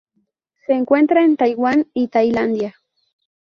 Se encuentra en Taiwán y Tailandia.